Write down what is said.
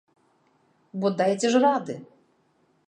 Бо дайце ж рады!